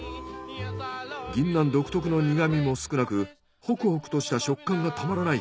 ギンナン独特の苦みも少なくほくほくとした食感がたまらない。